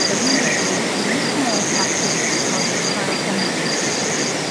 La ligne est uniquement parcourue par des trains omnibus.